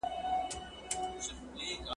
خپه په دې شم چې وای زه دې ستا بلا واخلمه